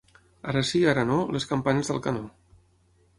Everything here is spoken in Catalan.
Ara sí, ara no, les campanes d'Alcanó.